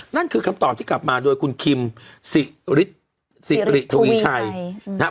นั่นคือคำตอบที่กลับมาโดยคุณคิมสิริทวีชัยนะครับ